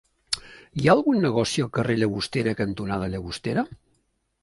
Hi ha algun negoci al carrer Llagostera cantonada Llagostera?